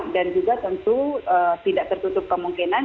dan juga tentu tidak tertutup kemungkinan